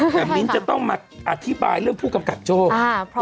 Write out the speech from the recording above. แต่มิ้นท์จะต้องมาอธิบายเรื่องผู้กำกับโจ้อ่าเพราะว่า